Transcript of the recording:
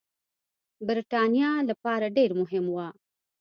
برټانیې لپاره ډېر مهم وه.